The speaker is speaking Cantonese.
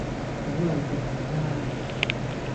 冇嚟成年喇